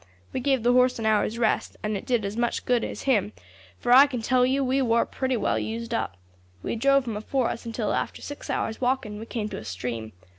We gave the horse an hour's rest; and it did us as much good as him, for I can tell you we war pretty well used up. We drove him afore us until, after six hours' walking, we came to a stream.